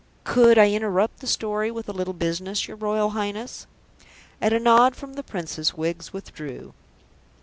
"Could I interrupt the story with a little business, your Royal Highness?" At a nod from the Princess, Wiggs withdrew.